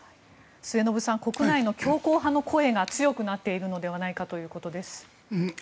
末延さん国内の強硬派の声が強くなっているのではないかということです。